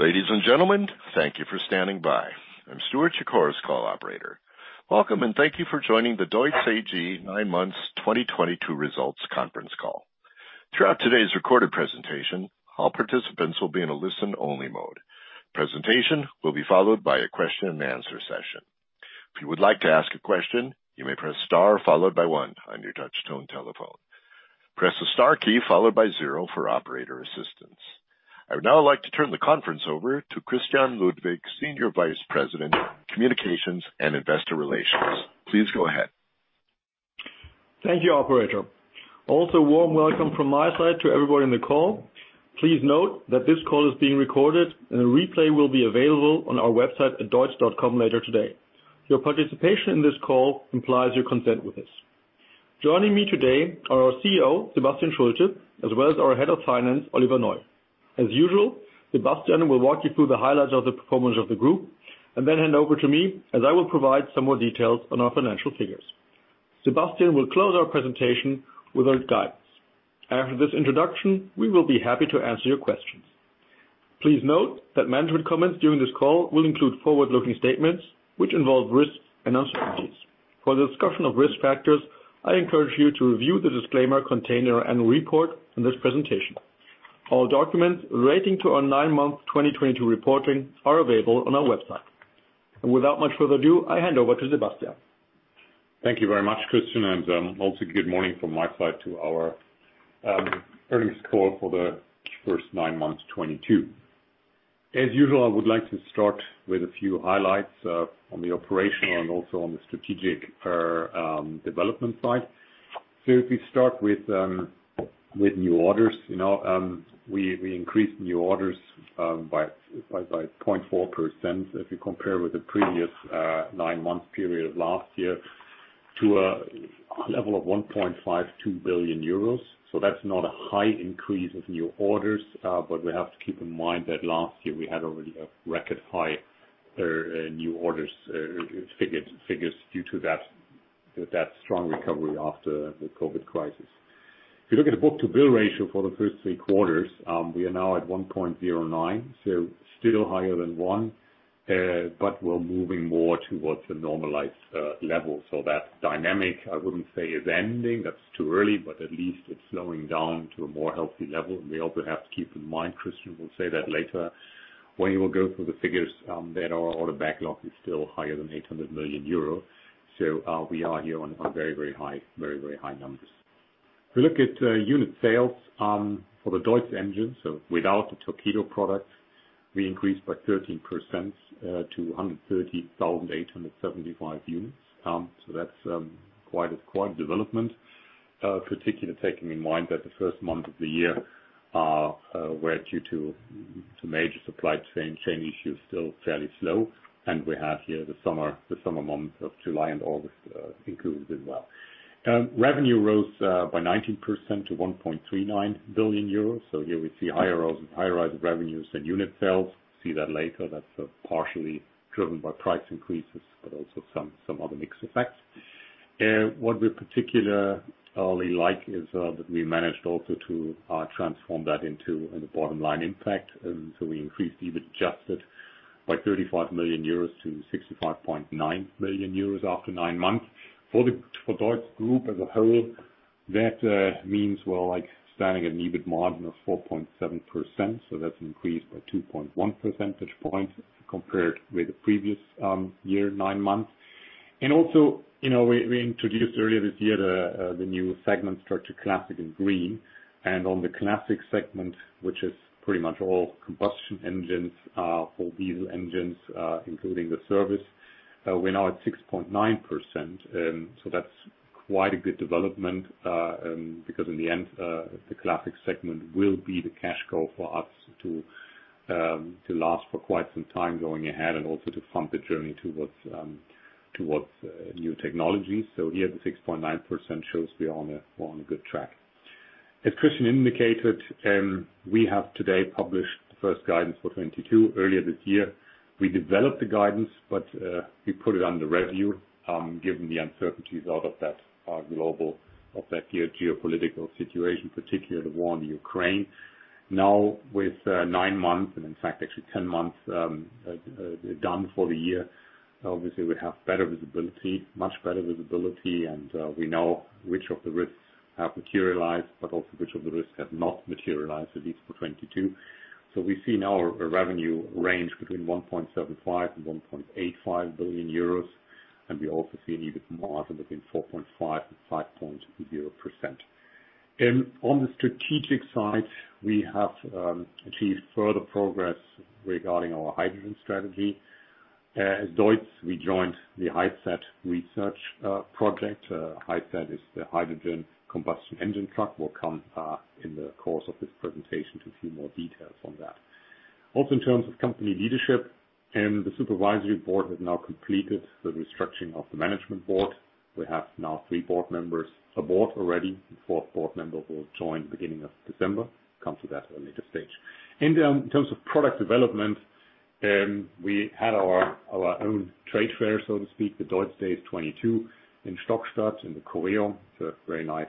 Ladies and gentlemen, thank you for standing by. I'm Stuart Shakura, call operator. Welcome, and thank you for joining the DEUTZ AG nine onths 2022 results conference call. Throughout today's recorded presentation, all participants will be in a listen-only mode. Presentation will be followed by a question-and-answer session. If you would like to ask a question, you may press star followed by one on your touch-tone telephone. Press the star key followed by zero for operator assistance. I would now like to turn the conference over to Christian Ludwig, Senior Vice President, Communications and Investor Relations. Please go ahead. Thank you, operator. Also, warm welcome from my side to everybody on the call. Please note that this call is being recorded and a replay will be available on our website at deutz.com later today. Your participation in this call implies your consent with this. Joining me today are our CEO, Sebastian C. Schulte, as well as our Head of Finance, Oliver Neu. As usual, Sebastian will walk you through the highlights of the performance of the group and then hand over to me, as I will provide some more details on our financial figures. Sebastian will close our presentation with our guidance. After this introduction, we will be happy to answer your questions. Please note that management comments during this call will include forward-looking statements, which involve risks and uncertainties. For the discussion of risk factors, I encourage you to review the disclaimer contained in our annual report in this presentation. All documents relating to our nine-month 2022 reporting are available on our website. Without much further ado, I hand over to Sebastian. Thank you very much, Christian, and also good morning from my side to our earnings call for the first nine months of 2022. As usual, I would like to start with a few highlights on the operational and also on the strategic development side. If we start with new orders, you know, we increased new orders by 0.4% if you compare with the previous nine-month period of last year to a level of 1.52 billion euros. That's not a high increase of new orders, but we have to keep in mind that last year we had already a record high new orders figures due to that strong recovery after the COVID crisis. If you look at the book-to-bill ratio for the first three quarters, we are now at 1.09, so still higher than one, but we're moving more towards the normalized level. That dynamic, I wouldn't say is ending, that's too early, but at least it's slowing down to a more healthy level. We also have to keep in mind, Christian will say that later when he will go through the figures, that our order backlog is still higher than 800 million euro. We are here on very high numbers. If we look at unit sales for the DEUTZ engines, so without the Torqeedo products, we increased by 13% to 130,875 units. That's quite a development, particularly taking in mind that the first month of the year were due to major supply chain issues, still fairly slow. We have here the summer months of July and August included as well. Revenue rose by 19% to 1.39 billion euros. Here we see higher rise of revenues than unit sales. See that later. That's partially driven by price increases, but also some other mix effects. What we particularly like is that we managed also to transform that into a bottom-line impact. We increased EBIT adjusted by 35 million euros to 65.9 million euros after nine months. For DEUTZ Group as a whole, that means we're like standing at an EBIT margin of 4.7%, so that's increased by 2.1 percentage points compared with the previous year nine months. Also, you know, we introduced earlier this year the new segment structure, classic and green. On the classic segment, which is pretty much all combustion engines for diesel engines, including the service, we're now at 6.9%. So that's quite a good development, because in the end, the classic segment will be the cash cow for us to last for quite some time going ahead and also to fund the journey towards new technologies. Here the 6.9% shows we're on a good track. As Christian indicated, we have today published the first guidance for 2022. Earlier this year, we developed the guidance, but we put it under review, given the uncertainties out of that geopolitical situation, particularly the war in Ukraine. Now with nine months and in fact actually 10 months done for the year, obviously we have better visibility, much better visibility, and we know which of the risks have materialized, but also which of the risks have not materialized, at least for 2022. We see now a revenue range between 1.75 billion and 1.85 billion euros, and we also see an EBIT margin within 4.5% and 5.0%. On the strategic side, we have achieved further progress regarding our hydrogen strategy. As DEUTZ, we joined the HyCET research project. HyCET is the hydrogen combustion engine truck. We'll come in the course of this presentation to a few more details on that. Also, in terms of company leadership, the supervisory board has now completed the restructuring of the management board. We have now three board members on board already. The fourth board member will join beginning of December. Come to that at a later stage. In terms of product development, we had our own trade fair, so to speak, the DEUTZ DAYS 22 in Stuttgart in the core area. It's a very nice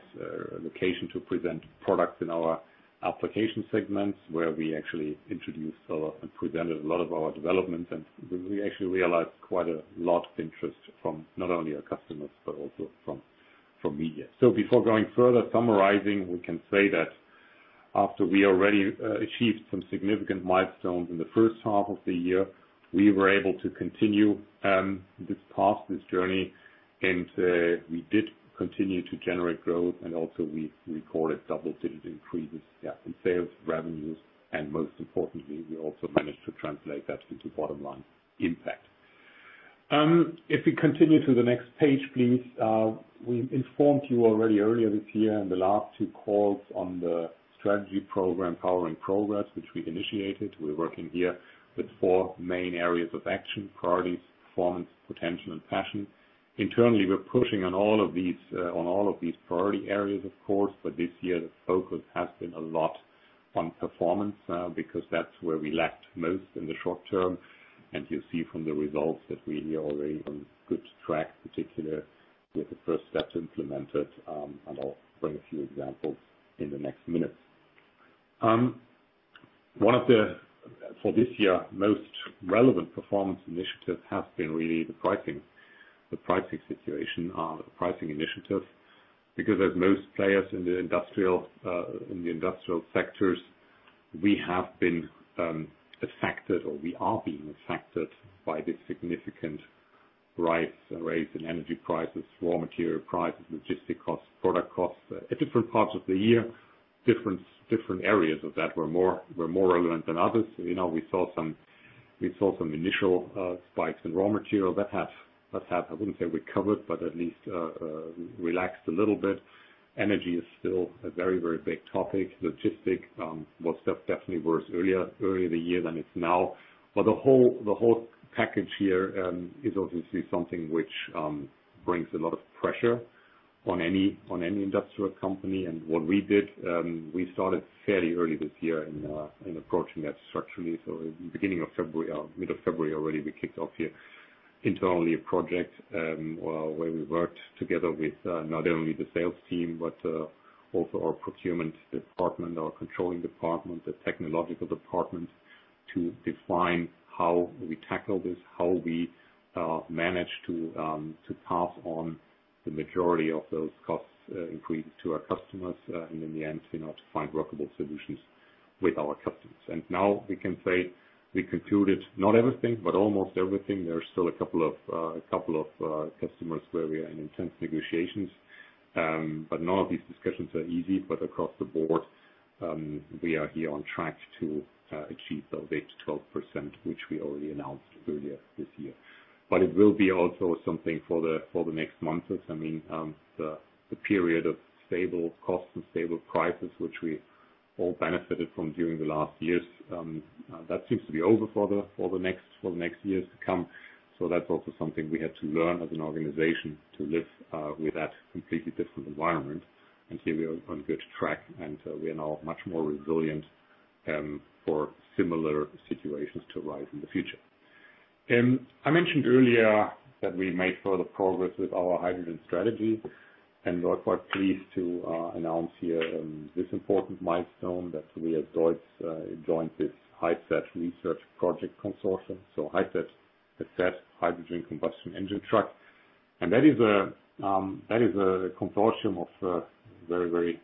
location to present products in our application segments, where we actually introduced a lot and presented a lot of our developments. We actually realized quite a lot of interest from not only our customers, but also from media. Before going further, summarizing, we can say that after we already achieved some significant milestones in the first half of the year, we were able to continue this path, this journey, and we did continue to generate growth. We also recorded double-digit increases in sales revenues, and most importantly, we also managed to translate that into bottom line impact. If we continue to the next page, please. We informed you already earlier this year in the last two calls on the strategy program, Powering Progress, which we initiated. We're working here with four main areas of action, priorities, performance, potential, and passion. Internally, we're pushing on all of these priority areas, of course, but this year the focus has been a lot on performance because that's where we lacked most in the short term. You'll see from the results that we are already on good track, particularly with the first step implemented, and I'll bring a few examples in the next minutes. One of the, for this year, most relevant performance initiatives has been really the pricing situation, the pricing initiatives. Because as most players in the industrial sectors, we have been affected, or we are being affected by the significant rise in energy prices, raw material prices, logistics costs, product costs. At different parts of the year, different areas of that were more relevant than others. You know, we saw some initial spikes in raw material that have, I wouldn't say recovered, but at least relaxed a little bit. Energy is still a very big topic. Logistics was definitely worse earlier in the year than it's now. The whole package here is obviously something which brings a lot of pressure on any industrial company. What we did, we started fairly early this year in approaching that structurally. In the beginning of February, or mid of February already, we kicked off here internally a project where we worked together with not only the sales team, but also our procurement department, our controlling department, the technical department, to define how we tackle this, how we manage to pass on the majority of those cost increases to our customers, and in the end to, you know, to find workable solutions with our customers. Now we can say we concluded not everything, but almost everything. There are still a couple of customers where we are in intense negotiations. None of these discussions are easy. Across the board, we are here on track to achieve those 8%-12%, which we already announced earlier this year. It will be also something for the next months, as I mean, the period of stable costs and stable prices, which we all benefited from during the last years, that seems to be over for the next years to come. That's also something we had to learn as an organization to live with that completely different environment. Here we are on good track, and we are now much more resilient for similar situations to arise in the future. I mentioned earlier that we made further progress with our hydrogen strategy, and we're quite pleased to announce here this important milestone that we at DEUTZ joined this HyCET research project consortium, so HyCET, Hydrogen Combustion Engine Truck. That is a consortium of very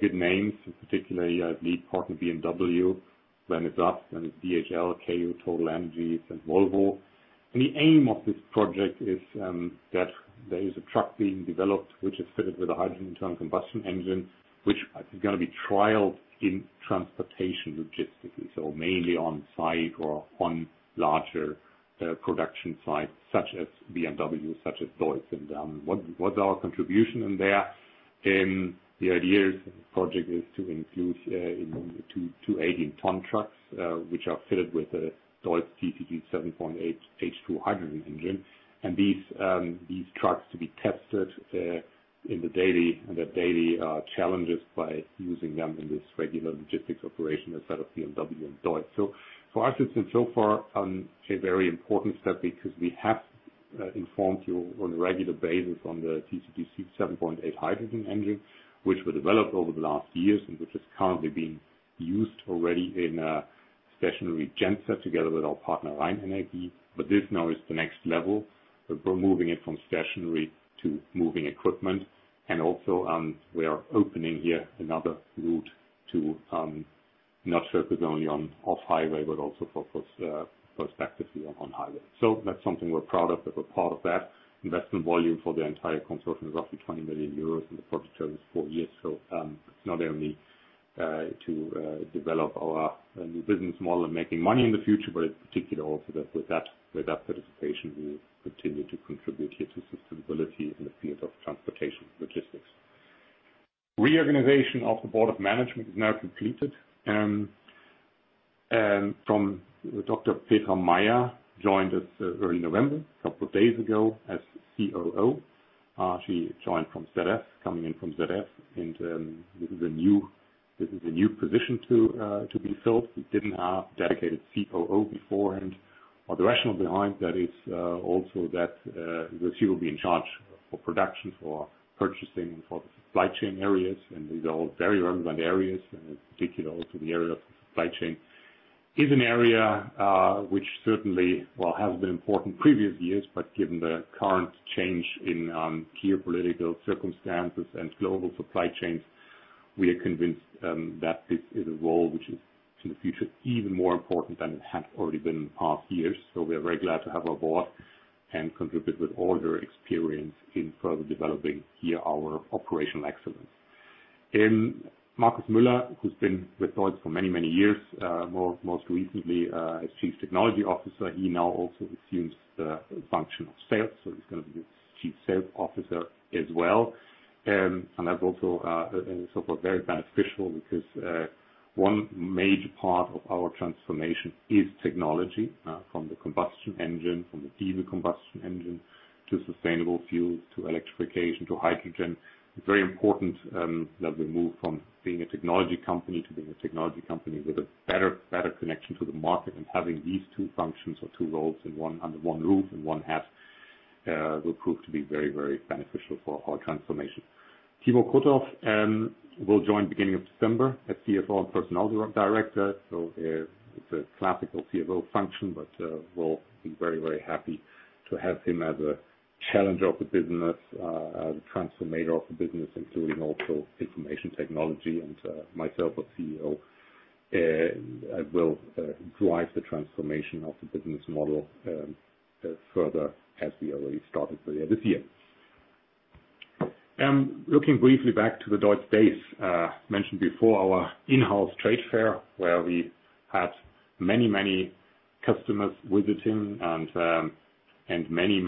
good names, in particular here the lead partner BMW, then it's us, then it's DHL, Kia, TotalEnergies and Volvo. The aim of this project is that there is a truck being developed which is fitted with a hydrogen internal combustion engine, which is gonna be trialed in transportation logistically. Mainly on site or on larger production sites such as BMW, such as DEUTZ. What's our contribution in there? The idea is the project is to include in 218-ton trucks which are fitted with a DEUTZ TCG 7.8 H2 hydrogen engine. These trucks to be tested in the daily challenges by using them in this regular logistics operation as part of BMW and DEUTZ. For us, it's been so far a very important step because we have informed you on a regular basis on the TCG 7.8 H2 hydrogen engine, which were developed over the last years and which is currently being used already in a stationary genset together with our partner, Linde. This now is the next level. We're moving it from stationary to moving equipment. We are opening here another route to not focus only on off-highway, but also for perspective here on highway. That's something we're proud of, that we're part of that. Investment volume for the entire consortium is roughly 20 million euros, and the project term is four years. It's not only to develop our new business model and making money in the future, but in particular also that with that participation, we will continue to contribute here to sustainability in the field of transportation logistics. Reorganization of the board of management is now completed. Dr. Petra Mayer joined us early November, a couple of days ago, as COO. She joined from ZF, coming in from ZF, and this is a new position to be filled. We didn't have dedicated COO beforehand. The rationale behind that is also that she will be in charge for production, for purchasing, and for the supply chain areas. These are all very relevant areas, and in particular to the area of supply chain is an area which certainly has been important previous years. Given the current change in geopolitical circumstances and global supply chains, we are convinced that this is a role which is, in the future, even more important than it had already been in past years. We are very glad to have her aboard and contribute with all her experience in further developing here our operational excellence. Markus Müller, who's been with DEUTZ for many, many years, most recently as chief technology officer, he now also assumes the function of sales. He's gonna be the chief sales officer as well. That's also so far very beneficial because one major part of our transformation is technology, from the combustion engine, from the diesel combustion engine, to sustainable fuels, to electrification, to hydrogen. It's very important that we move from being a technology company to being a technology company with a better connection to the market. Having these two functions or two roles in one, under one roof, in one hat, will prove to be very beneficial for our transformation. Timo Krutoff will join beginning of December as CFO and personnel director. It's a classical CFO function, but we'll be very happy to have him as a challenger of the business, as a transformer of the business, including also information technology. Myself as CEO, I will drive the transformation of the business model further as we already started earlier this year. Looking briefly back to the DEUTZ DAYS, mentioned before our in-house trade fair, where we had many customers visiting and many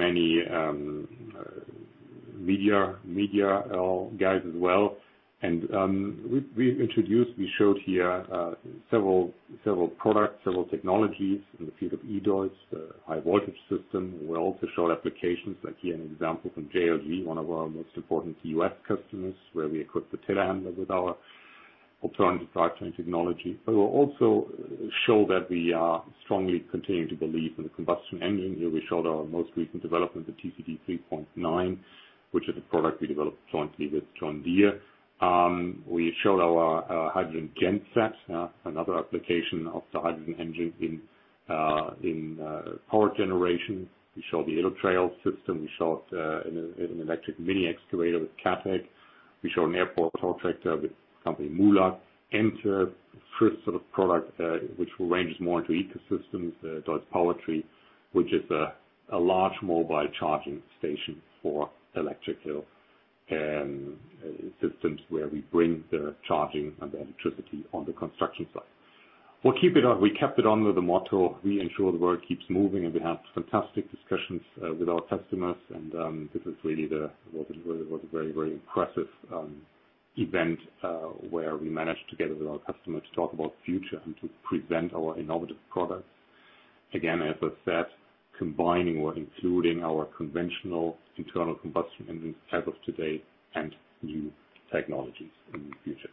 media guys as well. We introduced, we showed here several products, several technologies in the field of E-DEUTZ, high voltage system. We also showed applications, like here an example from JLG, one of our most important U.S. customers, where we equipped the telehandler with our alternative drivetrain technology. We also show that we are strongly continuing to believe in the combustion engine. Here we showed our most recent development, the TCD 3.9, which is a product we developed jointly with John Deere. We showed our hydrogen genset, another application of the hydrogen engine in power generation. We showed the [EleTrail system]. We showed an electric mini excavator with Kobelco. We showed an airport tow tractor with MULAG. First sort of product which ranges more into ecosystems, the DEUTZ PowerTree, which is a large mobile charging station for electric systems, where we bring the charging and the electricity on the construction site. We kept it on with the motto, "We ensure the world keeps moving," and we had fantastic discussions with our customers. It was a really very impressive event where we managed to get with our customer to talk about future and to present our innovative products. Again, as I said, combining or including our conventional internal combustion engines as of today and new technologies in the future.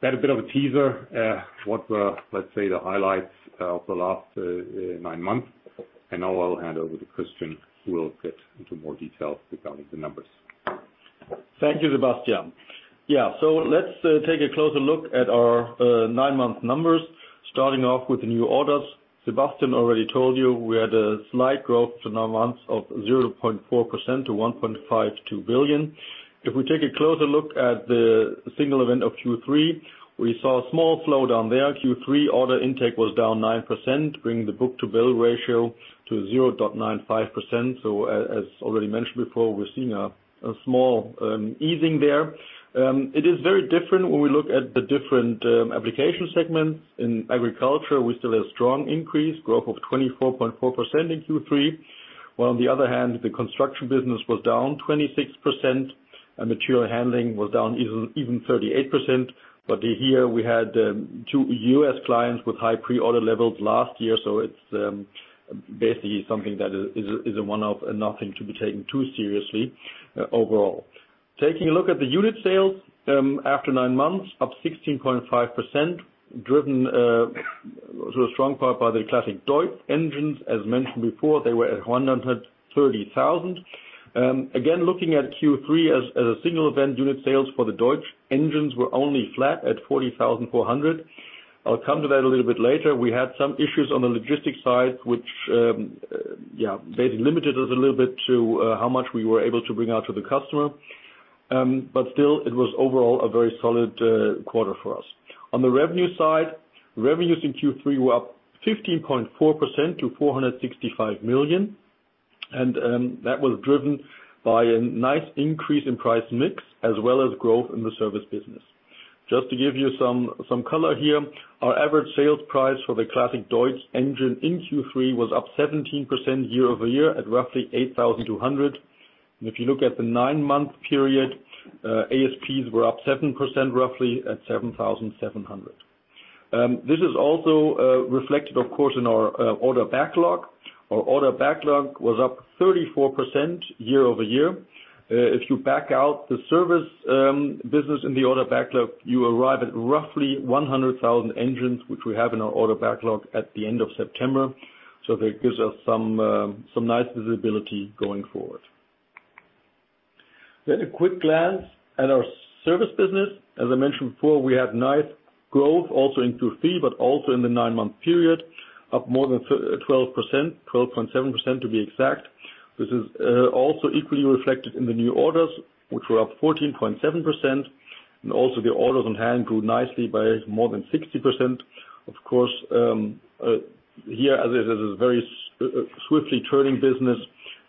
That's a bit of a teaser, what were, let's say, the highlights of the last nine months. Now I'll hand over to Christian, who will get into more details regarding the numbers. Thank you, Sebastian. Yeah. Let's take a closer look at our nine-month numbers, starting off with the new orders. Sebastian already told you we had a slight growth to nine months of 0.4% to 1.52 billion. If we take a closer look at the single quarter of Q3, we saw a small slowdown there. Q3 order intake was down 9%, bringing the book-to-bill ratio to 0.95%. As already mentioned before, we're seeing a small easing there. It is very different when we look at the different application segments. In agriculture, we still have strong increase, growth of 24.4% in Q3. While on the other hand, the construction business was down 26%, and material handling was down even 38%. Here we had two U.S. clients with high pre-order levels last year, so it's basically something that is a one-off and nothing to be taken too seriously, overall. Taking a look at the unit sales, after nine months, up 16.5%, driven in part by the classic DEUTZ engines. As mentioned before, they were at 130,000. Again, looking at Q3 as a single event, unit sales for the DEUTZ engines were only flat at 40,400. I'll come to that a little bit later. We had some issues on the logistics side, which basically limited us a little bit to how much we were able to bring out to the customer. Still, it was overall a very solid quarter for us. On the revenue side, revenues in Q3 were up 15.4% to 465 million, and that was driven by a nice increase in price mix as well as growth in the service business. Just to give you some color here, our average sales price for the classic DEUTZ engine in Q3 was up 17% year-over-year at roughly 8,200. If you look at the nine-month period, ASPs were up 7%, roughly at 7,700. This is also reflected of course in our order backlog. Our order backlog was up 34% year-over-year. If you back out the service business in the order backlog, you arrive at roughly 100,000 engines, which we have in our order backlog at the end of September. That gives us some nice visibility going forward. A quick glance at our service business. As I mentioned before, we had nice growth also in Q3, but also in the nine-month period, up more than 12%, 12.7% to be exact. This is also equally reflected in the new orders, which were up 14.7%. Also the orders on hand grew nicely by more than 60%. Of course, here, as it is a very swiftly turning business,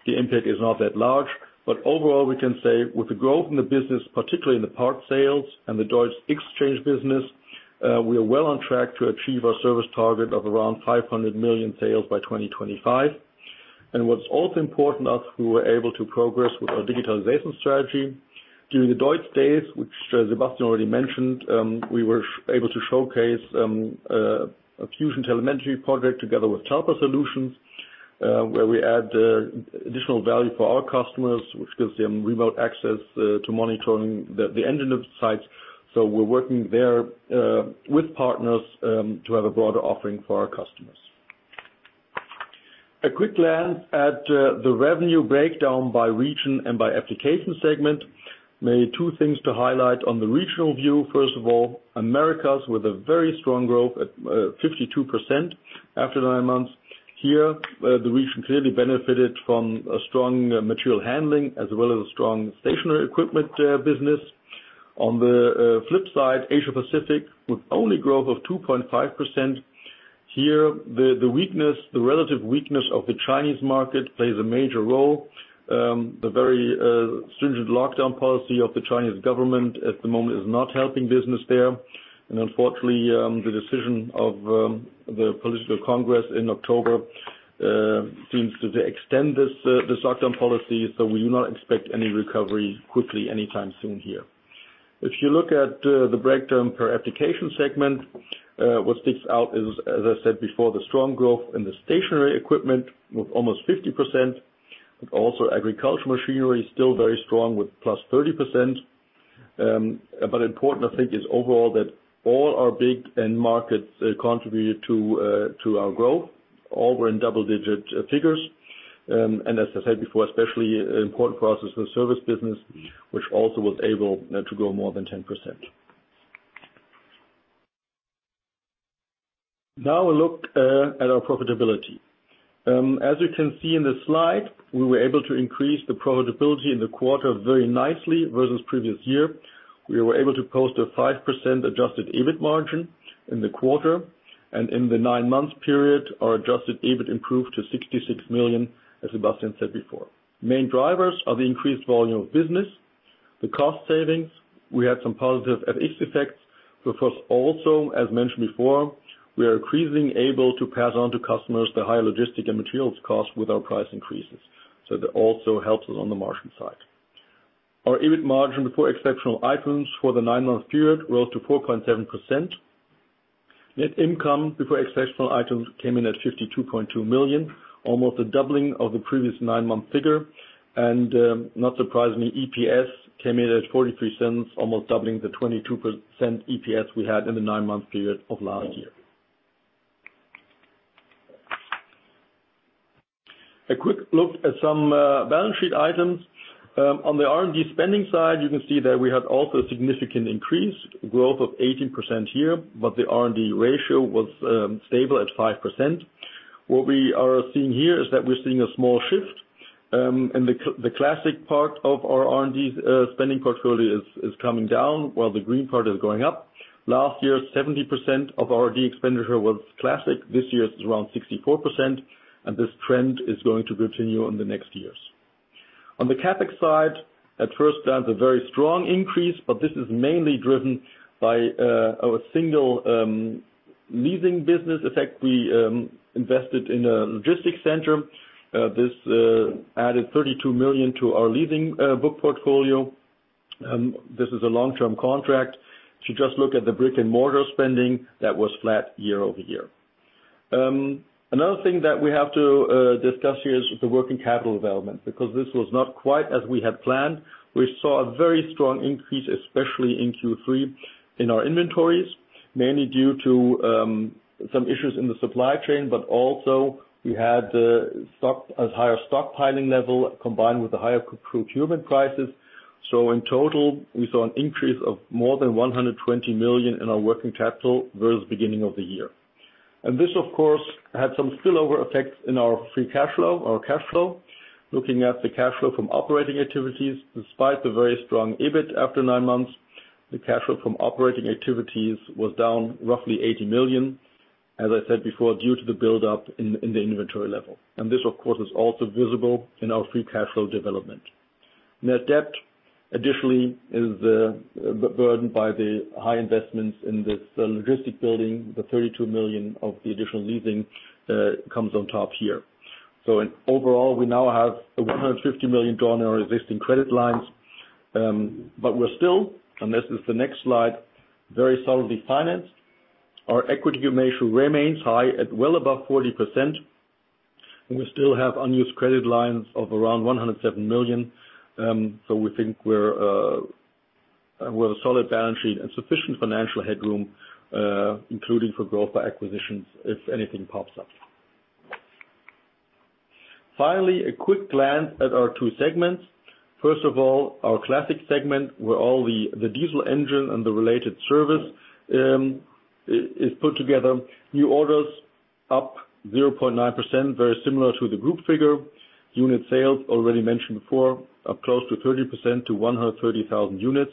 the impact is not that large. Overall, we can say with the growth in the business, particularly in the parts sales and the DEUTZ Xchange business, we are well on track to achieve our service target of around 500 million sales by 2025. What's also important to us, we were able to progress with our digitalization strategy. During the DEUTZ Days, which Sebastian already mentioned, we were able to showcase a DEUTZ Telematics project together with DEUTZ Telematics, where we add additional value for our customers, which gives them remote access to monitoring the engine fleet sites. We're working there with partners to have a broader offering for our customers. A quick glance at the revenue breakdown by region and by application segment. Mainly two things to highlight on the regional view. First of all, Americas with a very strong growth at 52% after nine months. Here, the region clearly benefited from a strong material handling as well as a strong stationary equipment business. On the flip side, Asia Pacific with only growth of 2.5%. Here, the relative weakness of the Chinese market plays a major role. The very stringent lockdown policy of the Chinese government at the moment is not helping business there. Unfortunately, the decision of the political congress in October seems to extend this lockdown policy, so we do not expect any recovery quickly anytime soon here. If you look at the breakdown per application segment, what sticks out is, as I said before, the strong growth in the stationary equipment with almost 50%, but also agricultural machinery is still very strong with +30%. Important, I think, is overall that all our big end markets contributed to our growth, all were in double-digit figures. As I said before, especially important for us is the service business, which also was able to grow more than 10%. Now a look at our profitability. As you can see in the slide, we were able to increase the profitability in the quarter very nicely versus previous year. We were able to post a 5% adjusted EBIT margin in the quarter, and in the nine-month period, our adjusted EBIT improved to 66 million, as Sebastian said before. Main drivers are the increased volume of business, the cost savings. We had some positive FX effects, but of course also, as mentioned before, we are increasingly able to pass on to customers the higher logistics and material costs with our price increases. So that also helps us on the margin side. Our EBIT margin before exceptional items for the nine-month period rose to 4.7%. Net income before exceptional items came in at 52.2 million, almost a doubling of the previous nine-month figure. Not surprisingly, EPS came in at 0.43, almost doubling the 0.22 EPS we had in the nine-month period of last year. A quick look at some balance sheet items. On the R&D spending side, you can see that we had also a significant increase, growth of 18% here, but the R&D ratio was stable at 5%. What we are seeing here is that we're seeing a small shift in the classic part of our R&D spending portfolio is coming down while the green part is going up. Last year, 70% of R&D expenditure was classic. This year, it's around 64%, and this trend is going to continue on the next years. On the CapEx side, at first glance, a very strong increase, but this is mainly driven by our single leasing business effect. We invested in a logistics center. This added 32 million to our leasing book portfolio. This is a long-term contract. If you just look at the brick-and-mortar spending, that was flat year-over-year. Another thing that we have to discuss here is the working capital development, because this was not quite as we had planned. We saw a very strong increase, especially in Q3, in our inventories, mainly due to some issues in the supply chain, but also we had a higher stockpiling level combined with the higher procurement prices. In total, we saw an increase of more than 120 million in our working capital versus beginning of the year. This, of course, had some spillover effects in our free cash flow or cash flow. Looking at the cash flow from operating activities, despite the very strong EBIT after nine months, the cash flow from operating activities was down roughly 80 million, as I said before, due to the buildup in the inventory level. This, of course, is also visible in our free cash flow development. Net debt additionally is burdened by the high investments in this logistic building. The 32 million of the additional leasing comes on top here. In overall, we now have a $150 million existing credit lines, but we're still, and this is the next slide, very solidly financed. Our equity ratio remains high at well above 40%, and we still have unused credit lines of around 107 million. We have a solid balance sheet and sufficient financial headroom, including for growth by acquisitions if anything pops up. Finally, a quick glance at our two segments. First of all, our classic segment, where all the diesel engine and the related service is put together. New orders up 0.9%, very similar to the group figure. Unit sales already mentioned before, up close to 30% to 130,000 units.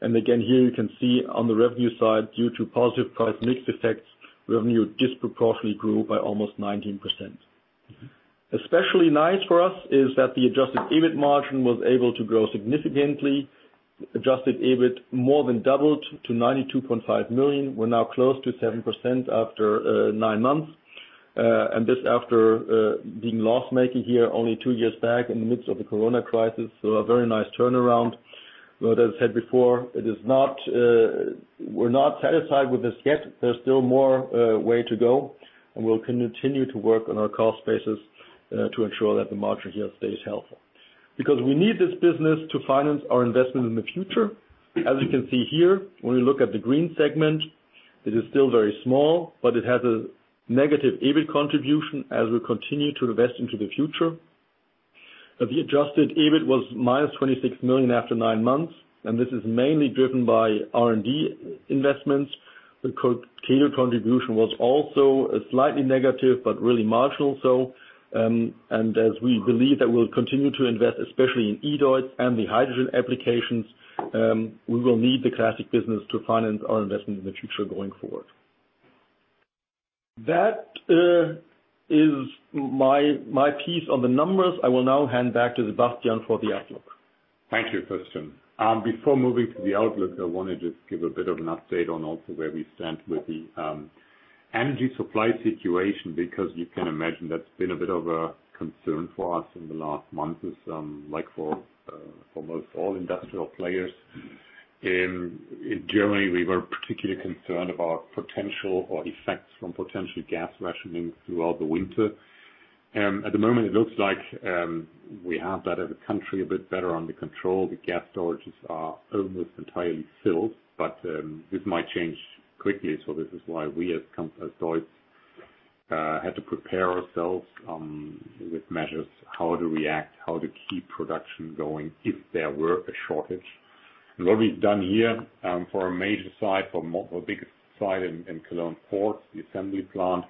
Here you can see on the revenue side, due to positive price mix effects, revenue disproportionately grew by almost 19%. Especially nice for us is that the adjusted EBIT margin was able to grow significantly. Adjusted EBIT more than doubled to 92.5 million. We're now close to 7% after nine months. This after being loss-making here only two years back in the midst of the COVID crisis. A very nice turnaround. As I said before, it is not, we're not satisfied with this yet. There's still more way to go, and we'll continue to work on our cost basis to ensure that the margin here stays healthy. Because we need this business to finance our investment in the future. As you can see here, when we look at the green segment, it is still very small, but it has a negative EBIT contribution as we continue to invest into the future. The adjusted EBIT was -26 million after nine months, and this is mainly driven by R&D investments. The Torqeedo contribution was also slightly negative but really marginal so. As we believe that we'll continue to invest, especially in E-DEUTZ and the hydrogen applications, we will need the classic business to finance our investment in the future going forward. That is my piece on the numbers. I will now hand back to Sebastian for the outlook. Thank you, Christian. Before moving to the outlook, I wanna just give a bit of an update on also where we stand with the energy supply situation, because you can imagine that's been a bit of a concern for us in the last months as, like for most all industrial players. In Germany, we were particularly concerned about potential effects from potential gas rationing throughout the winter. At the moment it looks like we have that as a country a bit better under control. The gas storages are almost entirely filled, but this might change quickly. This is why we as DEUTZ had to prepare ourselves with measures, how to react, how to keep production going if there were a shortage. What we've done here for our major site, our biggest site in Cologne-Porz, the assembly plant,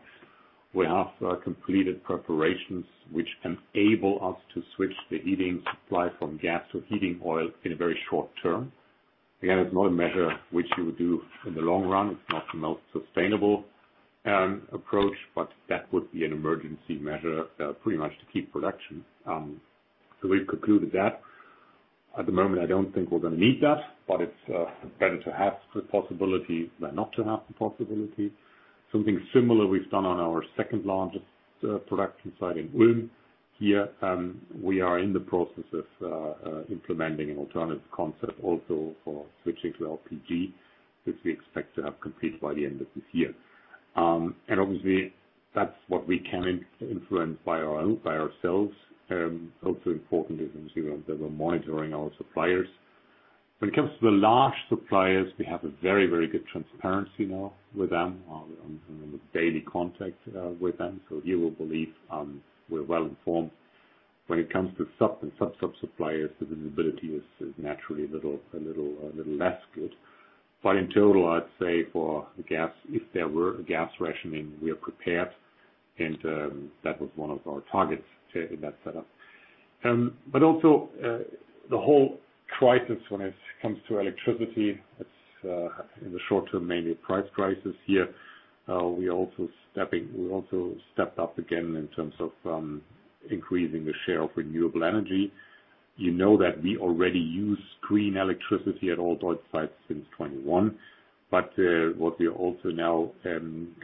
we have completed preparations which enable us to switch the heating supply from gas to heating oil in a very short term. Again, it's not a measure which you would do in the long run. It's not the most sustainable approach, but that would be an emergency measure pretty much to keep production, so we've concluded that. At the moment, I don't think we're gonna need that, but it's better to have the possibility than not to have the possibility. Something similar we've done on our second-largest production site in Ulm. Here, we are in the process of implementing an alternative concept also for switching to LPG, which we expect to have complete by the end of this year. Obviously that's what we can influence by our own, by ourselves. Also important is obviously that we're monitoring our suppliers. When it comes to the large suppliers, we have a very good transparency now with them, on a daily contact with them. So here we believe we're well informed. When it comes to sub and sub-sub-suppliers, the visibility is naturally a little less good. In total, I'd say for gas, if there were a gas rationing, we are prepared and that was one of our targets to have that set up. Also, the whole crisis when it comes to electricity, it's in the short term mainly a price crisis here. We also stepped up again in terms of increasing the share of renewable energy. You know that we already use green electricity at all DEUTZ sites since 2021. What we also now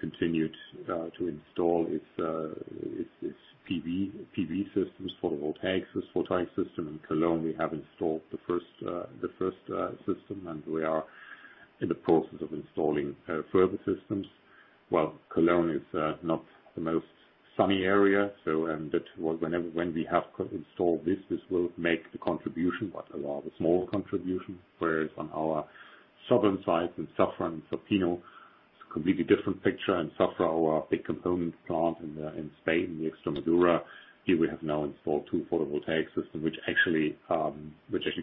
continued to install is PV systems, photovoltaic system. In Cologne, we have installed the first system, and we are in the process of installing further systems. While Cologne is not the most sunny area, and that when we have installed this will make the contribution, but a rather small contribution. Whereas on our southern sites in Zafra and Safinow, it's a completely different picture. In Zafra, our big components plant in Spain, in Extremadura, here we have now installed two photovoltaic system, which actually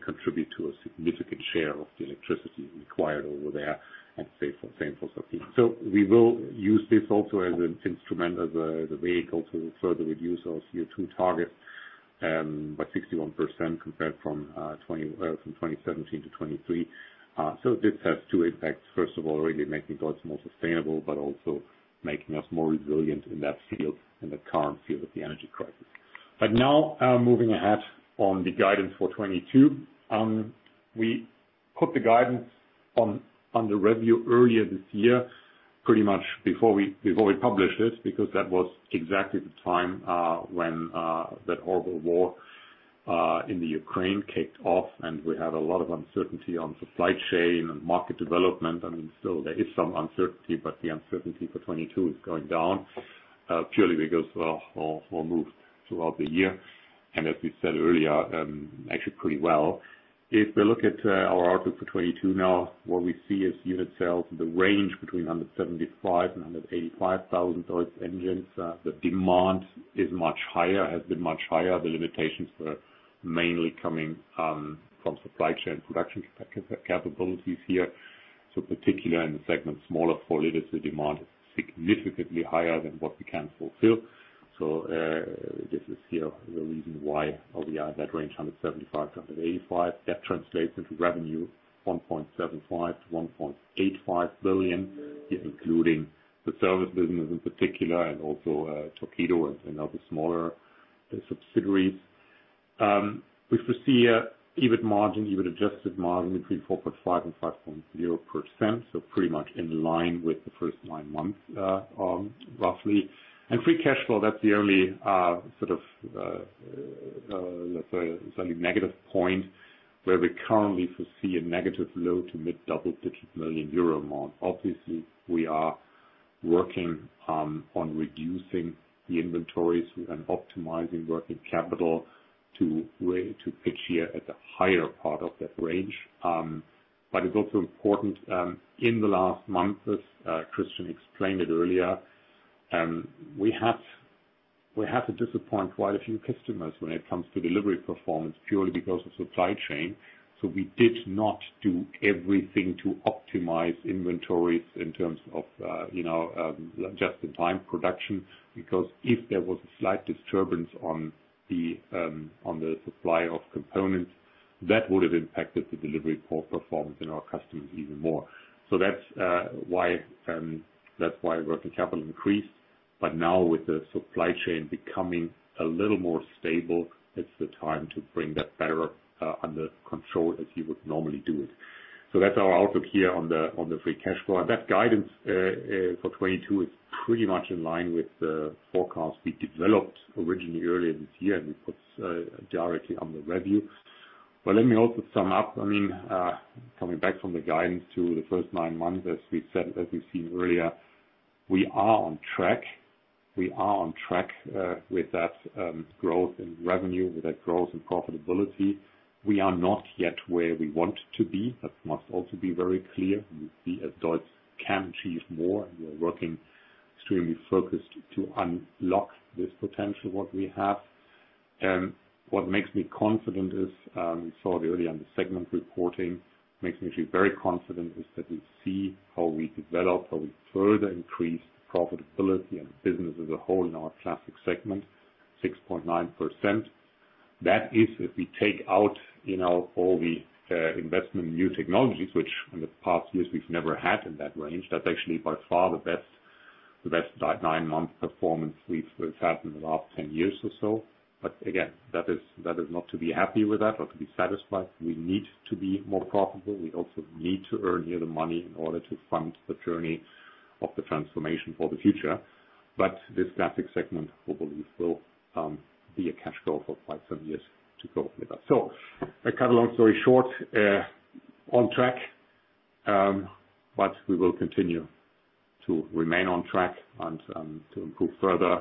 contribute to a significant share of the electricity required over there and same for Safinow. We will use this also as an instrument, as a way also to further reduce our CO2 target by 61% compared from 2017-2023. This has two effects. First of all, really making DEUTZ more sustainable, but also making us more resilient in that field, in the current field of the energy crisis. Now, moving ahead on the guidance for 2022, we put the guidance on review earlier this year, pretty much before we published it, because that was exactly the time when that horrible war in the Ukraine kicked off, and we had a lot of uncertainty on supply chain and market development. I mean, still there is some uncertainty, but the uncertainty for 2022 is going down, purely because of our move throughout the year. As we said earlier, actually pretty well. If we look at our outlook for 2022 now, what we see is unit sales in the range between 175 and 185 thousand DEUTZ engines. The demand is much higher, has been much higher. The limitations are mainly coming from supply chain production capabilities here. So, particular in the segment, smaller four liters, the demand is significantly higher than what we can fulfill. So, this is here the reason why we are that range, 175, 185. That translates into revenue 1.75 billion-1.85 billion, including the service business in particular, and also Torqeedo and other smaller subsidiaries. We foresee an EBIT margin, EBIT adjusted margin between 4.5% and 5.0%, so pretty much in line with the first nine months, roughly. Free cash flow, that's the only, let's say, slightly negative point where we currently foresee a negative low- to mid-double-digit million EUR amount. Obviously, we are working on reducing the inventories and optimizing working capital to try to hit the higher part of that range. It's also important, in the last month, as Christian explained it earlier, we have to disappoint quite a few customers when it comes to delivery performance purely because of supply chain. We did not do everything to optimize inventories in terms of just-in-time production. If there was a slight disturbance on the supply of components, that would have impacted the delivery performance of our customers even more. That's why working capital increased. Now with the supply chain becoming a little more stable, it's the time to bring it better under control as you would normally do it. That's our outlook here on the free cash flow. That guidance for 2022 is pretty much in line with the forecast we developed originally earlier this year, and we put directly in the review. Let me also sum up. I mean coming back from the guidance to the first nine months, as we said, as we've seen earlier, we are on track. We are on track with that growth in revenue, with that growth in profitability. We are not yet where we want to be. That must also be very clear. We see that DEUTZ can achieve more, and we are working extremely focused to unlock this potential what we have. What makes me confident is we saw already in the segment reporting. That makes me feel very confident, that we see how we develop, how we further increase profitability and the business as a whole in our classic segment, 6.9%. That is if we take out, you know, all the investment in new technologies, which in the past years we've never had in that range. That's actually by far the best nine-month performance we've had in the last 10 years or so. Again, that is not to be happy with that or to be satisfied. We need to be more profitable. We also need to earn here the money in order to fund the journey of the transformation for the future. This classic segment, we believe, will be a cash cow for quite some years to go with us. To cut a long story short, on track, but we will continue to remain on track and to improve further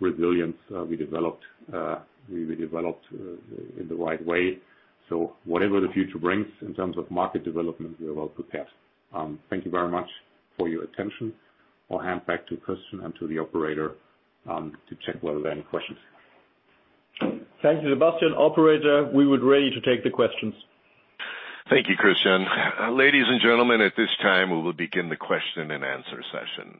resilience, we developed in the right way. Whatever the future brings in terms of market development, we are well prepared. Thank you very much for your attention. I'll hand back to Christian and to the operator to check whether there are any questions. Thank you, Sebastian. Operator, we are ready to take the questions. Thank you, Christian. Ladies and gentlemen, at this time, we will begin the question-and-answer session.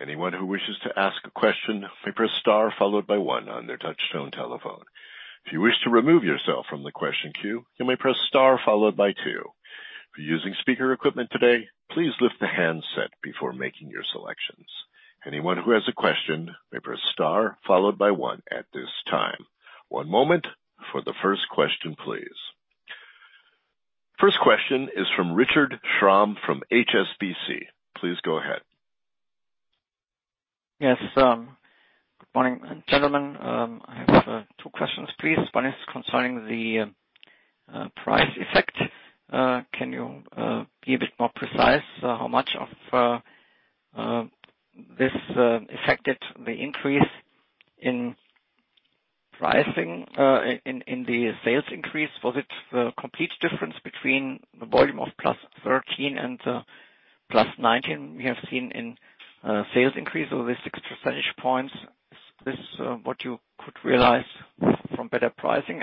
Anyone who wishes to ask a question, may press star followed by one on their touch tone telephone. If you wish to remove yourself from the question queue, you may press star followed by two. If you're using speaker equipment today, please lift the handset before making your selections. Anyone who has a question may press star followed by one at this time. One moment for the first question, please. First question is from Richard Schramm from HSBC. Please go ahead. Yes, good morning, gentlemen. I have two questions, please. One is concerning the price effect. Can you be a bit more precise how much of this affected the increase in pricing in the sales increase? Was it the complete difference between the volume of +13% and +19% we have seen in sales increase over the 6 percentage points? Is this what you could realize from better pricing?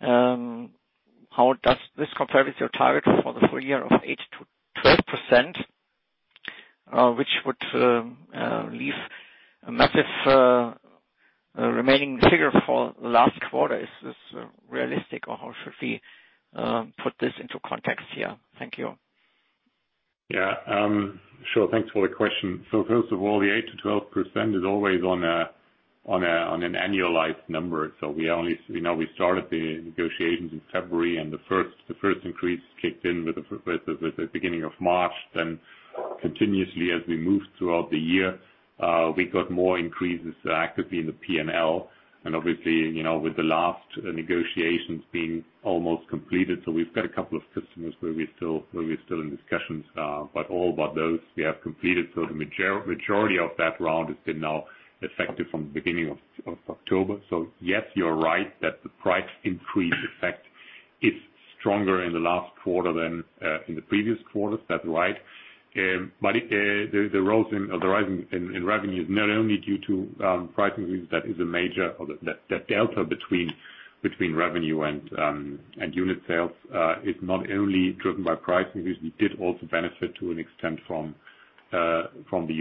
How does this compare with your target for the full year of 8%-12%, which would leave a massive remaining figure for the last quarter? Is this realistic, or how should we put this into context here? Thank you. Yeah. Sure. Thanks for the question. First of all, the 8%-12% is always on an annualized number. We started the negotiations in February, and the first increase kicked in with the beginning of March. Then continuously as we moved throughout the year, we got more increases actively in the P&L. Obviously, with the last negotiations being almost completed, we've got a couple of customers where we're still in discussions, but all but those we have completed. The majority of that round has been now effective from the beginning of October. Yes, you're right that the price increase effect is stronger in the last quarter than in the previous quarters. That's right. The rise in revenue is not only due to price increase. That delta between revenue and unit sales is not only driven by price increase. We did also benefit to an extent from the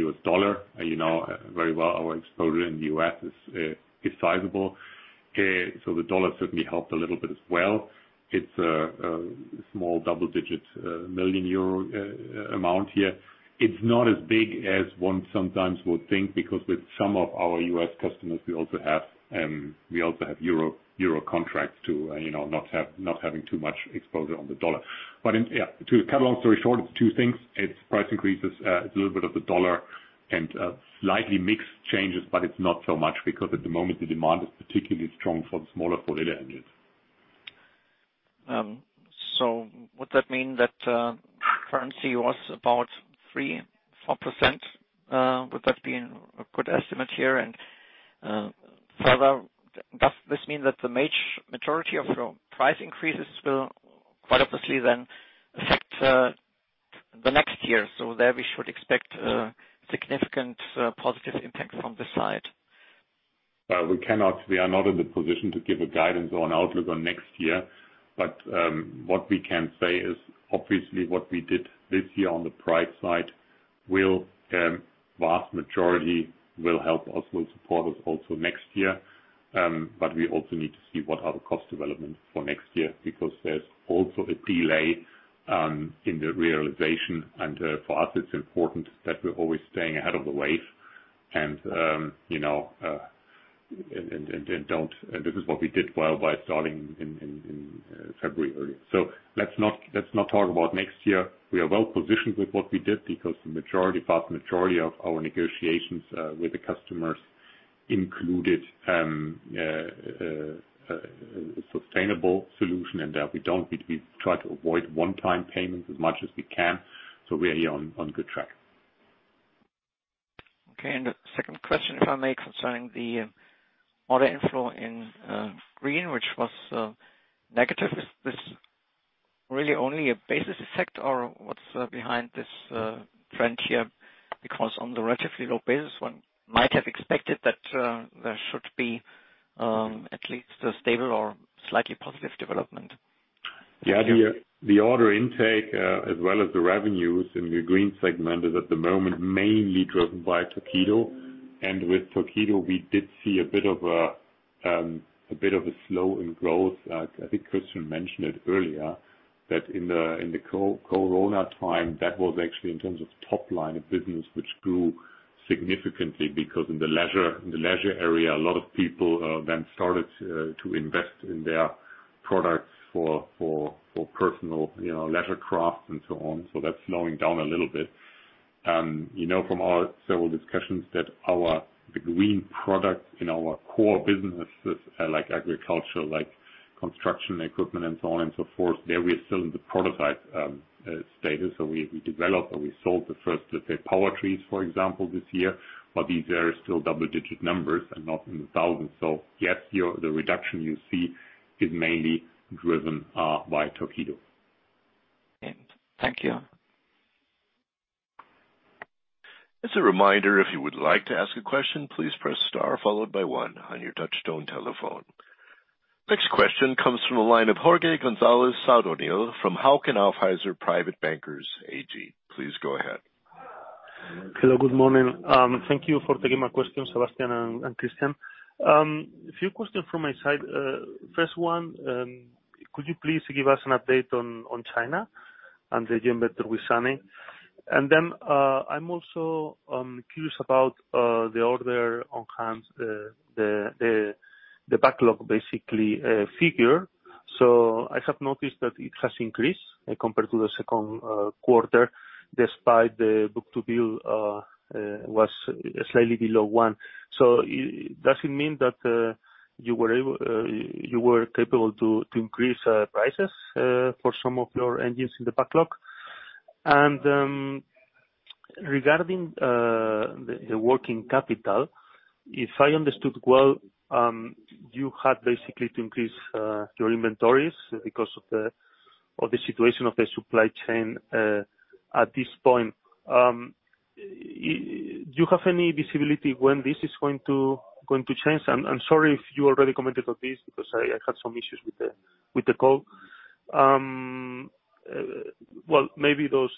U.S. dollar. You know very well our exposure in the U.S. is sizable. So the dollar certainly helped a little bit as well. It's a small double-digit million euro amount here. It's not as big as one sometimes would think, because with some of our U.S. customers we also have euro contracts to not have too much exposure on the dollar. To cut a long story short, it's two things. It's price increases. It's a little bit of the dollar and slightly mixed changes, but it's not so much because at the moment the demand is particularly strong for the smaller four-liter engines. So would that mean that currency was about 3%-4%? Would that be a good estimate here? Further, does this mean that the majority of your price increases will quite obviously then affect the next year, so there we should expect a significant positive impact from this side? We cannot. We are not in the position to give a guidance or an outlook on next year. What we can say is obviously what we did this year on the price side will, vast majority will help us, will support us also next year. We also need to see what are the cost development for next year, because there's also a delay, in the realization. For us, it's important that we're always staying ahead of the wave. This is what we did well by starting in February earlier. Let's not talk about next year. We are well positioned with what we did because the majority, vast majority of our negotiations with the customers included a sustainable solution, and we don't need to try to avoid one-time payments as much as we can, so we're here on good track. Okay. The second question, if I may, concerning the order inflow in green, which was negative. Is this really only a basis effect or what's behind this trend here? Because on the relatively low basis, one might have expected that there should be at least a stable or slightly positive development. The order intake, as well as the revenues in the green segment is at the moment mainly driven by Torqeedo. With Torqeedo, we did see a bit of a slowdown in growth. I think Christian mentioned it earlier, that in the corona time, that was actually in terms of top line a business which grew significantly because in the leisure area, a lot of people then started to invest in their products for personal, you know, leisure crafts and so on. That's slowing down a little bit. You know from our several discussions that the green products in our core businesses, like agriculture, like construction equipment and so on and so forth, there we are still in the prototype status. We developed and we sold the first, let's say, PowerTrees, for example, this year, but these are still double digit numbers and not in the thousands. Yes, your, the reduction you see is mainly driven by Torqeedo. Thank you. As a reminder, if you would like to ask a question, please press star followed by one on your touchtone telephone. Next question comes from the line of Jorge González Sadornil from Hauck Aufhäuser Lampe Privatbank AG. Please go ahead. Hello, good morning. Thank you for taking my question, Sebastian and Christian. A few questions from my side. First one, could you please give us an update on China and the joint venture with SANY? Then, I'm also curious about the order on hand, the backlog, basically, figure. I have noticed that it has increased compared to the second quarter, despite the book-to-bill was slightly below one. Does it mean that you were capable to increase prices for some of your engines in the backlog? Regarding the working capital, if I understood well, you had basically to increase your inventories because of the situation of the supply chain at this point. Do you have any visibility when this is going to change? I'm sorry if you already commented on this because I had some issues with the call. Well, maybe those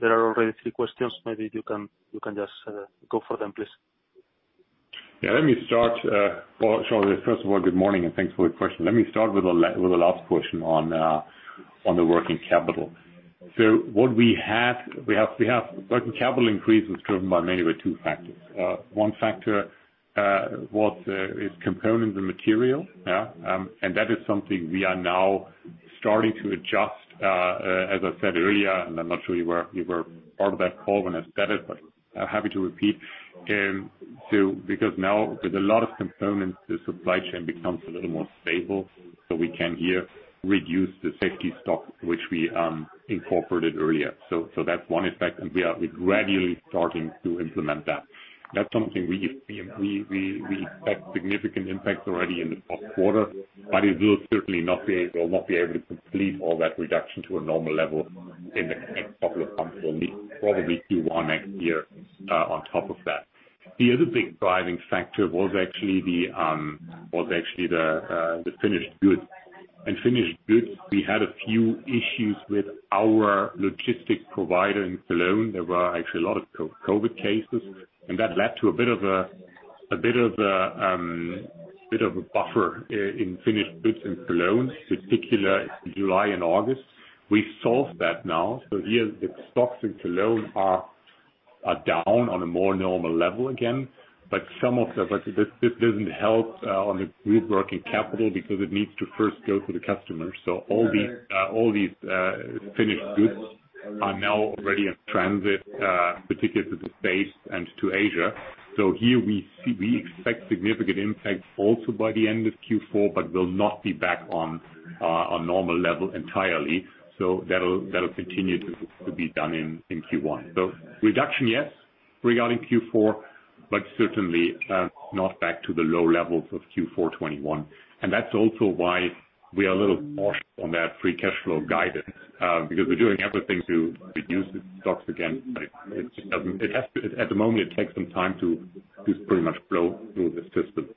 there are already three questions. Maybe you can just go for them, please. Yeah, let me start, well, Jorge, first of all, good morning, and thanks for the question. Let me start with the last question on the working capital. What we have working capital increase is driven by mainly the two factors. One factor is component and material, yeah. And that is something we are now starting to adjust. As I said earlier, and I'm not sure you were part of that call when I said it, but I'm happy to repeat. Because now with a lot of components, the supply chain becomes a little more stable, so we can here reduce the safety stock, which we incorporated earlier. That's one effect, and we are gradually starting to implement that. That's something we expect significant impact already in the fourth quarter, but it will certainly not be. We'll not be able to complete all that reduction to a normal level in the next couple of months. We'll need probably Q1 next year on top of that. The other big driving factor was actually the finished goods. In finished goods, we had a few issues with our logistics provider in Cologne. There were actually a lot of COVID cases, and that led to a bit of a buffer in finished goods in Cologne, particularly July and August. We solved that now, so here the stocks in Cologne are down on a more normal level again. This doesn't help on the group working capital because it needs to first go to the customer. So all these finished goods are now already in transit, particularly to the States and to Asia. So here we see we expect significant impact also by the end of Q4 but will not be back on a normal level entirely. So that'll continue to be done in Q1. So reduction, yes, regarding Q4, but certainly not back to the low levels of Q4 2021. And that's also why we are a little cautious on that free cash flow guidance because we're doing everything to reduce the stocks again. But it just doesn't. It has to. At the moment, it takes some time to pretty much flow through the system.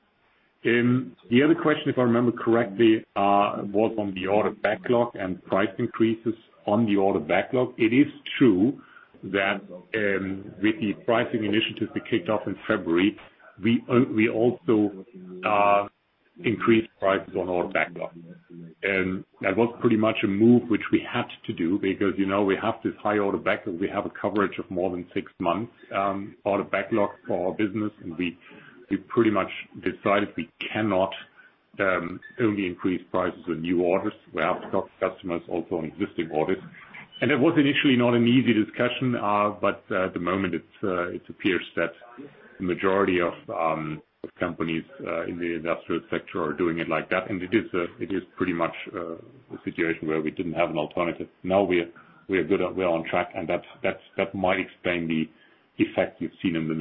The other question, if I remember correctly, was on the order backlog and price increases on the order backlog. It is true that, with the pricing initiatives we kicked off in February, we also increased prices on order backlog. That was pretty much a move which we had to do because, you know, we have this high order backlog. We have a coverage of more than six months order backlog for our business, and we pretty much decided we cannot only increase prices on new orders. We have customers also on existing orders. It was initially not an easy discussion, but at the moment it appears that the majority of companies in the industrial sector are doing it like that. It is pretty much a situation where we didn't have an alternative. Now we're good. We're on track, and that might explain the effect you've seen in the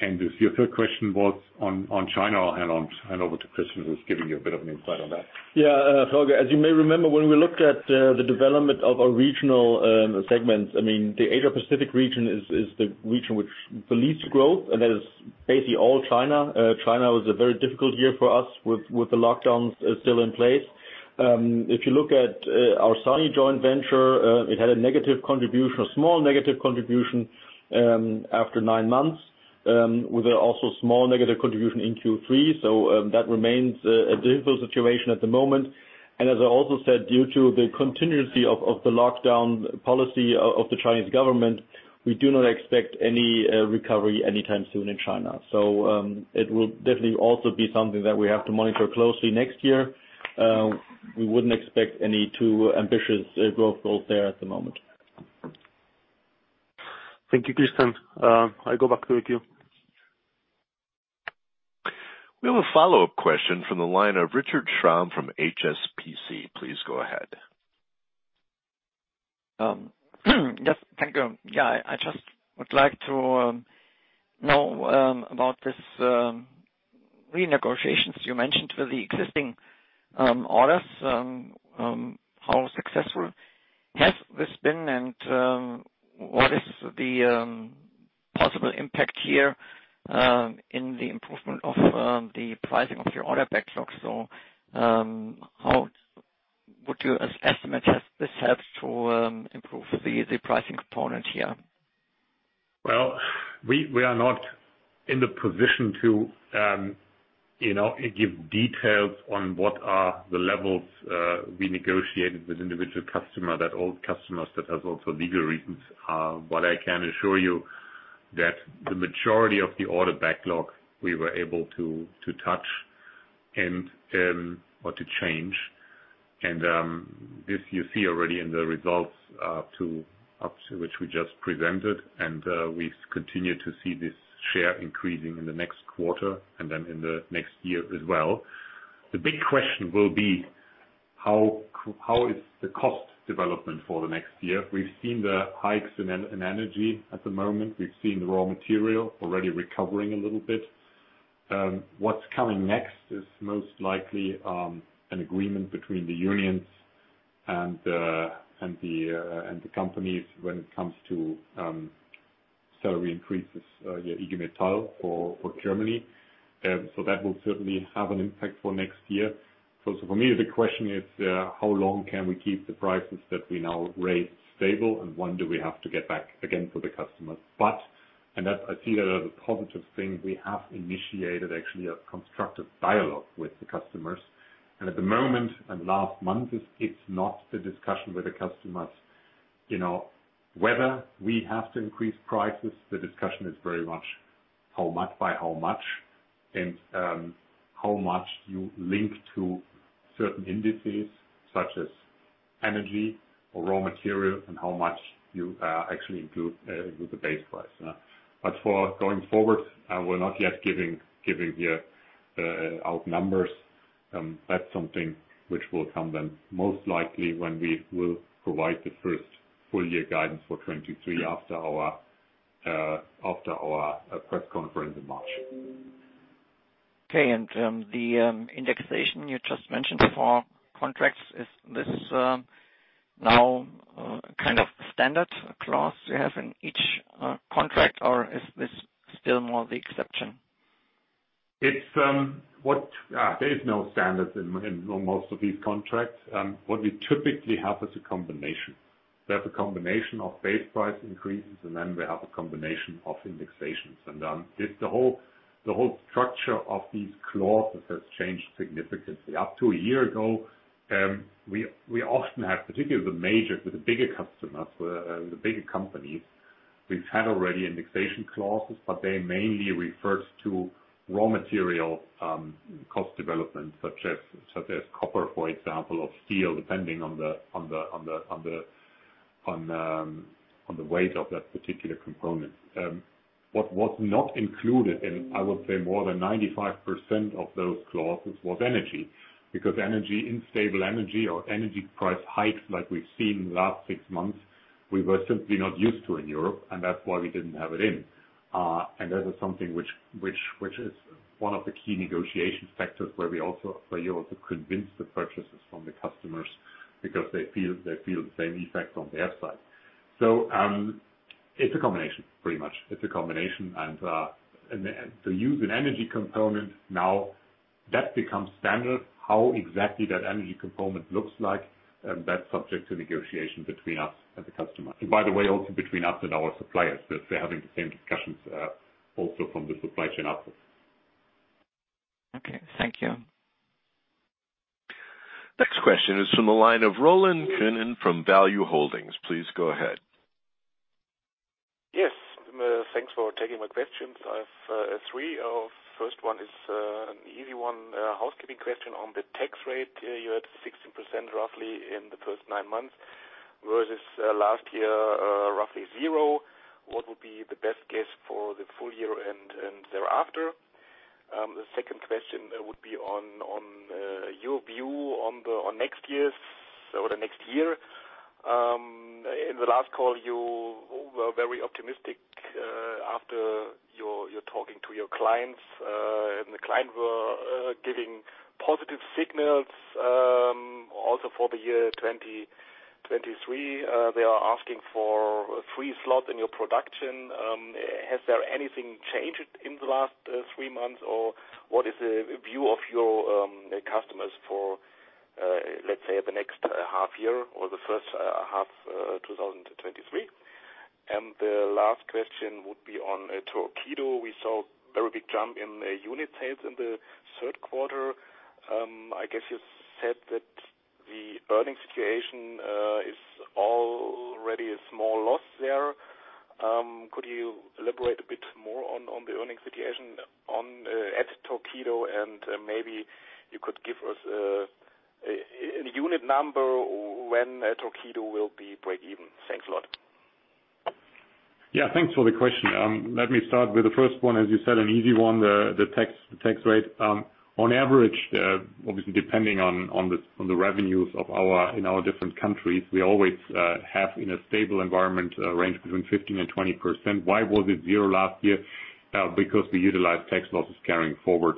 numbers. Your third question was on China. I'll hand over to Christian, who's giving you a bit of an insight on that. Yeah, Jorge, as you may remember, when we looked at the development of our regional segments, I mean, the Asia Pacific region is the region which the least growth, and that is basically all China. China was a very difficult year for us with the lockdowns still in place. If you look at our SANY joint venture, it had a negative contribution, a small negative contribution, after nine months, with a also small negative contribution in Q3. That remains a difficult situation at the moment. As I also said, due to the continuity of the lockdown policy of the Chinese government, we do not expect any recovery anytime soon in China. It will definitely also be something that we have to monitor closely next year. We wouldn't expect any too ambitious growth goals there at the moment. Thank you, Christian. I go back to you. We have a follow-up question from the line of Richard Schramm from HSBC. Please go ahead. Yes. Thank you. I just would like to know about this renegotiations you mentioned with the existing orders. How successful has this been, and what is the possible impact here in the improvement of the pricing of your order backlog? How would you estimate has this helped to improve the pricing component here? Well, we are not in the position to give details on what are the levels we negotiated with individual customer, that old customers that has also legal reasons. What I can assure you that the majority of the order backlog we were able to touch and or to change. This you see already in the results up to which we just presented, and we continue to see this share increasing in the next quarter and then in the next year as well. The big question will be how is the cost development for the next year. We've seen the hikes in energy at the moment. We've seen the raw material already recovering a little bit. What's coming next is most likely an agreement between the unions and the companies when it comes to salary increases, IG Metall for Germany. That will certainly have an impact for next year. For me, the question is how long can we keep the prices that we now raise stable, and when do we have to get back again for the customers? I see that as a positive thing. We have initiated actually a constructive dialogue with the customers. At the moment, and last month, it's not the discussion with the customers, you know, whether we have to increase prices. The discussion is very much how much, by how much, and how much you link to certain indices, such as energy or raw material, and how much you actually include with the base price. For going forward, we're not yet giving out numbers here. That's something which will come then most likely when we will provide the first full year guidance for 2023 after our press conference in March. Okay. The indexation you just mentioned for contracts, is this now kind of standard clause you have in each contract, or is this still more the exception? There is no standard in most of these contracts. What we typically have is a combination. We have a combination of base price increases, and then we have a combination of indexations. It's the whole structure of these clauses has changed significantly. Up to a year ago, we often have, particularly with the bigger customers, the bigger companies, we've had already indexation clauses, but they mainly refers to raw material cost development such as copper, for example, or steel, depending on the weight of that particular component. What was not included in, I would say more than 95% of those clauses, was energy, because energy, unstable energy or energy price hikes like we've seen in the last six months, we were simply not used to in Europe, and that's why we didn't have it in. That is something which is one of the key negotiation factors where we also, where you also convince the purchasers from the customers because they feel the same effect on their side. It's a combination, pretty much. It's a combination. To use an energy component now, that becomes standard. How exactly that energy component looks like, that's subject to negotiation between us and the customer. By the way, also between us and our suppliers. We're having the same discussions also from the supply chain outlook. Okay. Thank you. Next question is from the line of Roland Könen from Value-Holdings. Please go ahead. Yes. Thanks for taking my questions. I have three. First one is an easy one, housekeeping question on the tax rate. You had 16% roughly in the first nine months versus last year, roughly 0%. What would be the best guess for the full year and thereafter? The second question would be on your view on next year's or the next year. In the last call, you were very optimistic after you were talking to your clients, and the clients were giving positive signals, also for the year 2023. They are asking for a free slot in your production. Has there anything changed in the last three months, or what is the view of your customers for, let's say the next half year or the first half 2023? The last question would be on Torqeedo. We saw a very big jump in unit sales in the third quarter. I guess you said that the earnings situation is already a small loss there. Could you elaborate a bit more on the earnings situation at Torqeedo? Maybe you could give us a unit number when Torqeedo will be break even. Thanks a lot. Yeah, thanks for the question. Let me start with the first one, as you said, an easy one, the tax rate. On average, obviously depending on the revenues in our different countries, we always have in a stable environment a range between 15%-20%. Why was it 0% last year? Because we utilized tax losses carrying forward,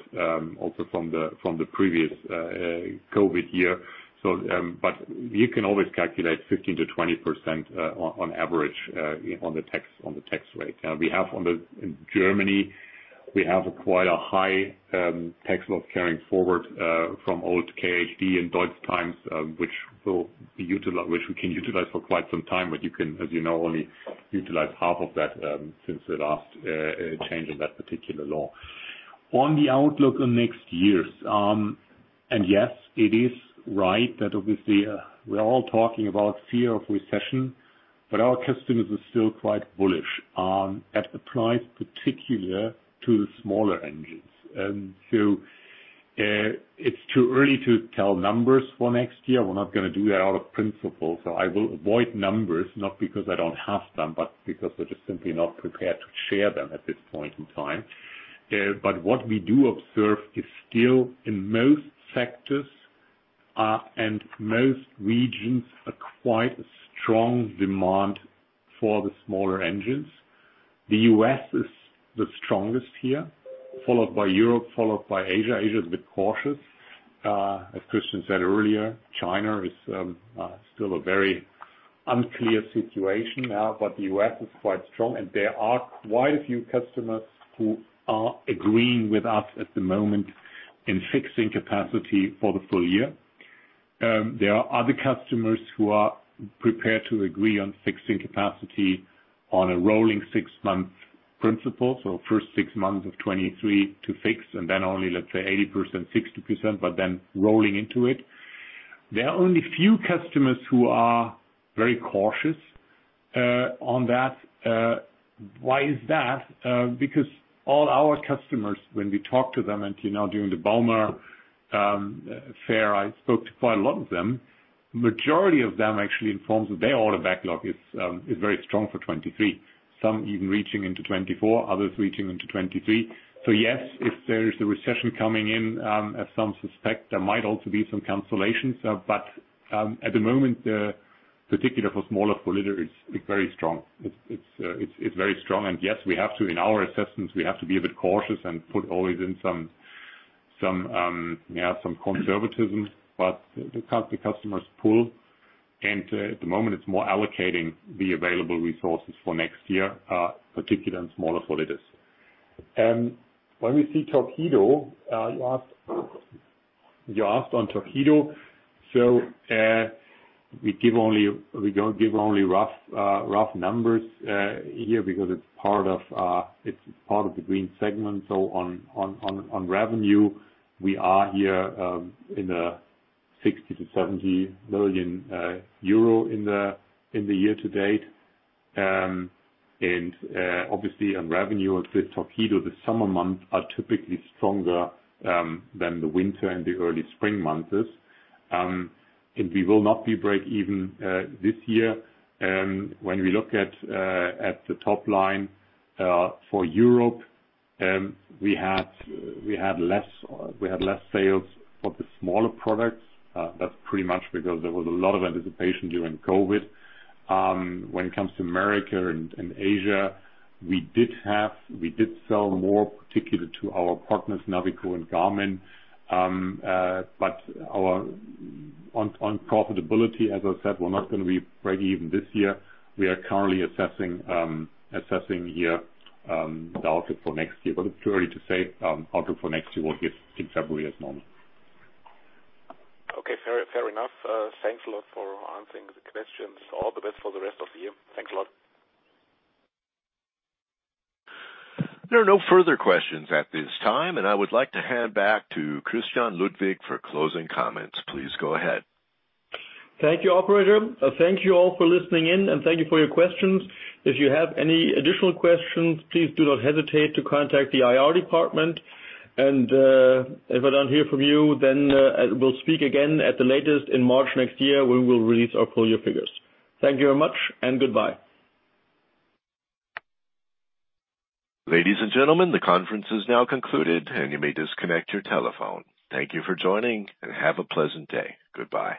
also from the previous COVID year. You can always calculate 15%-20%, on average, on the tax rate. In Germany, we have quite a high tax loss carrying forward from old KHD in DEUTZ times, which we can utilize for quite some time, but you can, as you know, only utilize half of that since the last change in that particular law. On the outlook on next year, and yes, it is right that obviously, we're all talking about fear of recession, but our customers are still quite bullish, as applies particularly to the smaller engines. It's too early to tell numbers for next year. We're not gonna do that out of principle. I will avoid numbers, not because I don't have them, but because we're just simply not prepared to share them at this point in time. What we do observe is still in most sectors and most regions a quite strong demand for the smaller engines. The U.S. is the strongest here, followed by Europe, followed by Asia. Asia is a bit cautious. As Christian said earlier, China is still a very unclear situation now, but the U.S. is quite strong and there are quite a few customers who are agreeing with us at the moment in fixing capacity for the full year. There are other customers who are prepared to agree on fixing capacity on a rolling six-month principle. First six months of 2023 to fix and then only, let's say 80%, 60%, but then rolling into it. There are only few customers who are very cautious on that. Why is that? Because all our customers, when we talk to them, and, you know, during the bauma fair, I spoke to quite a lot of them. Majority of them actually informs that their order backlog is very strong for 2023. Some even reaching into 2024, others reaching into 2023. Yes, if there is the recession coming in, as some suspect, there might also be some cancellations. At the moment, particularly for sub-4-liter, it's very strong. Yes, in our assessments, we have to be a bit cautious and put always in some conservatism. The customers pull, and at the moment, it's more allocating the available resources for next year, particularly on sub-4-liter. When we see Torqeedo, you asked on Torqeedo. We give only rough numbers here because it's part of the green segment. On revenue, we are here in 60 million-70 million euro in the year to date. Obviously on revenue with Torqeedo, the summer months are typically stronger than the winter and the early spring months is. We will not break even this year. When we look at the top line for Europe, we had less sales for the smaller products. That's pretty much because there was a lot of anticipation during COVID. When it comes to America and Asia, we did sell more, particularly to our partners, Navico and Garmin. On profitability, as I said, we're not gonna be break even this year. We are currently assessing the outlook for next year. It's too early to say outlook for next year. We'll give in February as normal. Okay. Fair, fair enough. Thanks a lot for answering the questions. All the best for the rest of the year. Thanks a lot. There are no further questions at this time, and I would like to hand back to Christian Ludwig for closing comments. Please go ahead. Thank you, operator. Thank you all for listening in, and thank you for your questions. If you have any additional questions, please do not hesitate to contact the IR department. If I don't hear from you, then we'll speak again at the latest in March next year when we'll release our full year figures. Thank you very much and goodbye. Ladies and gentlemen, the conference is now concluded and you may disconnect your telephone. Thank you for joining, and have a pleasant day. Goodbye.